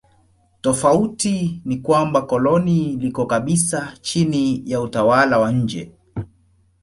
Tofauti ni kwamba koloni liko kabisa chini ya utawala wa nje.